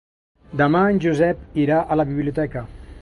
Demà en Josep irà a la biblioteca.